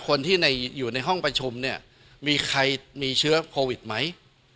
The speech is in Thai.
คนที่อยู่ในห้องประชุมเนี่ยมีใครมีเชื้อโควิดไหม